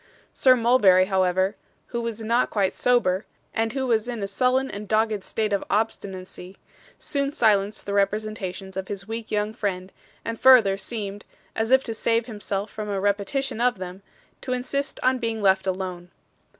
Sir Mulberry, however, who was not quite sober, and who was in a sullen and dogged state of obstinacy, soon silenced the representations of his weak young friend, and further seemed as if to save himself from a repetition of them to insist on being left alone.